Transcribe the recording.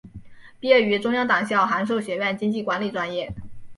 毕业于中央党校函授学院经济管理专业。